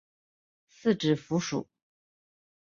四指蝠属。